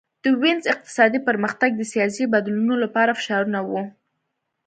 د وینز اقتصادي پرمختګ د سیاسي بدلونونو لپاره فشارونه وو